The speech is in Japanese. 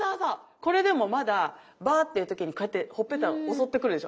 これでもまだ「ばー」っていう時にこうやってほっぺた襲ってくるでしょ。